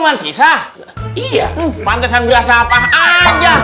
pantesan beras sapah aja